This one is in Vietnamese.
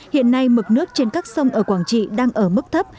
hiện nay mực nước trên các sông ở quảng trị đang ở mức thấp